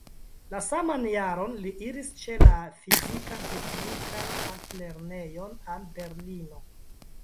La saman jaron li iris ĉe la Fizikan-teknikan altlernejon al Berlino.